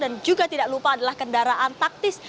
dan juga tidak lupa adalah kendaraan taktis